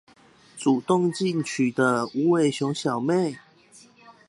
主動進取的無尾熊小妹